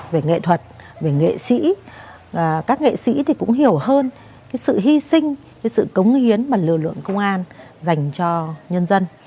về nghệ thuật về nghệ sĩ các nghệ sĩ thì cũng hiểu hơn sự hy sinh sự cống hiến mà lực lượng công an dành cho nhân dân